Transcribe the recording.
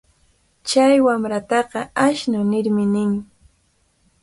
Chay wamrataqa ashnu nirmi nin.